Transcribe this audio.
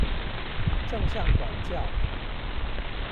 正向管教